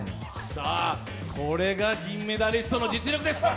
これが銀メダリストの実力です。